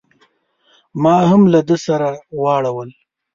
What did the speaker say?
ما هم له ده سره واړول.